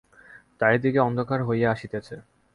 চারিদিকে অন্ধকার হইয়া আসিতেছে।